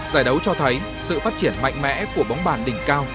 giải đấu cho thấy sự phát triển mạnh mẽ của bóng bàn đỉnh cao